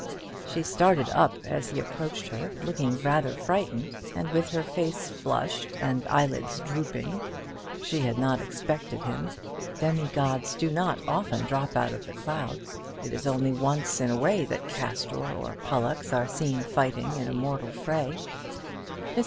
She started up as he approached her, looking rather frightened, and with her face flushed and her eyelids drooping. She had not expected him. Demi gods do not often drop out of the clouds. It is only once in a way that Castor and Pollux are seen fighting in a mortal fray. Mrs.